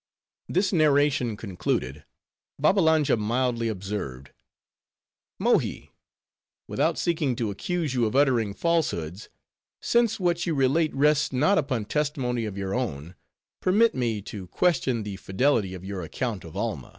This narration concluded, Babbalanja mildly observed, "Mohi: without seeking to accuse you of uttering falsehoods; since what you relate rests not upon testimony of your own; permit me, to question the fidelity of your account of Alma.